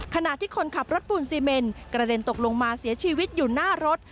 ขณะที่คนขับรถปูนซีเมนกระเด็นตกลงมาเสียชีวิตอยู่หน้ารถ